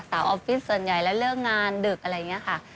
ออฟฟิศส่วนใหญ่แล้วเลิกงานดึกอะไรอย่างนี้ค่ะ